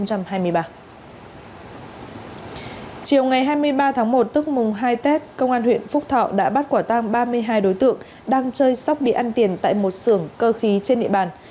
chiều ngày hai mươi ba tháng một tức mùng hai tết công an huyện phúc thọ đã bắt quả tang ba mươi hai đối tượng đang chơi sóc đi ăn tiền tại một xưởng cơ khí trên địa bàn